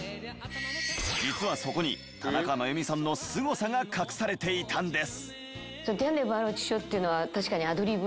実はそこに田中真弓さんのスゴさが隠されていたんです。